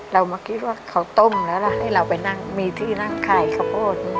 เมื่อกี้ว่าเขาต้มแล้วล่ะให้เราไปนั่งมีที่นั่งขายข้าวโพด